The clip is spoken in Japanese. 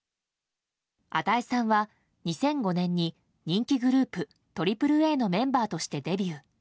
與さんは２００５年に人気グループ、ＡＡＡのメンバーとしてデビュー。